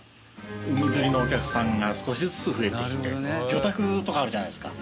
海釣りのお客さんが少しずつ増えてきて魚拓とかあるじゃないですか。